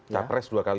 capres dua kali